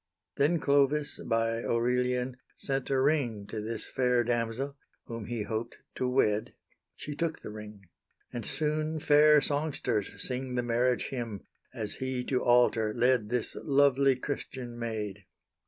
Then Clovis, by Aurelian, sent a ring To this fair damsel, whom he hoped to wed; She took the ring; and soon fair songsters sing The marriage hymn, as he to altar led This lovely Christian maid.